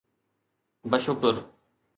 بشڪر